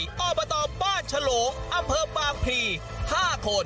อ้อมมาต่อบ้านฉลงอำเภอปางพรี๕คน